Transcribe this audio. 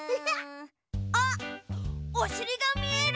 あっおしりがみえる！